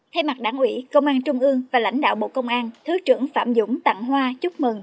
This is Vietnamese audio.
thay mặt đảng ủy công an trung ương và lãnh đạo bộ công an thứ trưởng phạm dũng tặng hoa chúc mừng